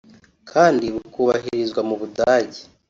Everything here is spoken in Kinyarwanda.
kandi bukubahirizwa mu Budage